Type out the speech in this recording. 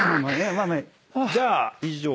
じゃあ。